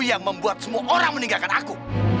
yang membuat semua orang meninggalkan aku